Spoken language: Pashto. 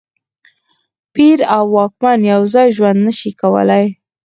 پیر او واکمن یو ځای ژوند نه شي کولای.